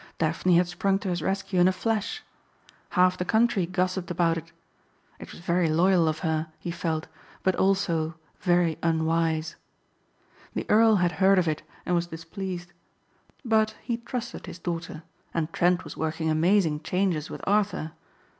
Daphne had sprung to his rescue in a flash. Half the country gossiped about it. It was very loyal of her, he felt, but also very unwise. The earl had heard of it and was displeased. But he trusted his daughter and Trent was working amazing changes with Arthur.